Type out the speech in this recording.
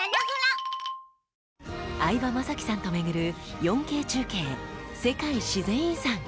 相葉雅紀さんと巡る４Ｋ中継、「世界自然遺産」。